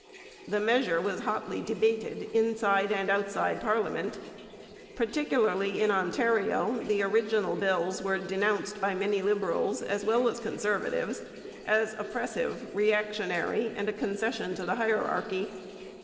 The measure was hotly debated, inside and outside parliament. Particularly in Ontario the original bills were denounced by many Liberals as well as Conservatives as oppressive, reactionary, and a concession to the hierarchy.